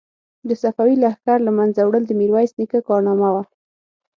د صفوي لښکر له منځه وړل د میرویس نیکه کارنامه وه.